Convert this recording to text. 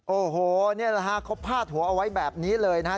โอ้โหเขาพาดหัวเอาไว้แบบนี้เลยนะฮะ